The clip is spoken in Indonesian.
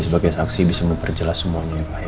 sebagai saksi bisa memperjelas semuanya ya pak ya